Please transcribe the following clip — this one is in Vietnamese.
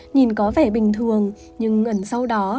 nhìn có vẻ bình thường nhưng ngẩn sau đó